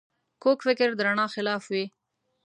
کوږ فکر د رڼا خلاف وي